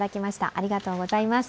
ありがとうございます。